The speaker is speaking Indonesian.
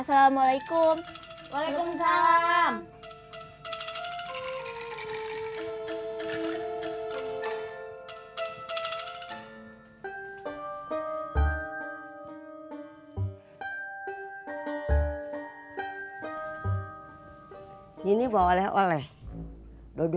sini mulia malam juga